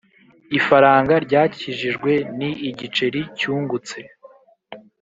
ifaranga ryakijijwe ni igiceri cyungutse.